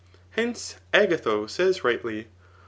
Hence, Agatho says rightly.